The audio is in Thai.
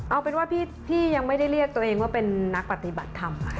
เอาเป็นว่าพี่ยังไม่ได้เรียกตัวเองว่าเป็นนักปฏิบัติธรรมค่ะ